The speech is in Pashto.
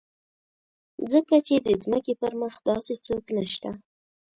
ځکه چې د ځمکې پر مخ داسې څوک نشته.